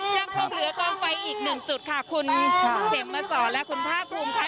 ยังคงเหลือกองไฟอีกหนึ่งจุดค่ะคุณเขมมาสอนและคุณภาคภูมิค่ะ